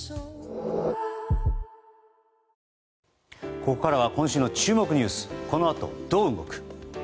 ここからは今週の注目ニュースこの後どう動く？